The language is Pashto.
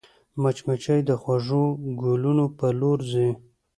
مچمچۍ د خوږو ګلونو پر لور ځي